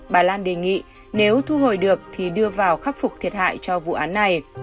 bà lan đề nghị nếu thu hồi được thì đưa vào khắc phục thiệt hại cho vụ án này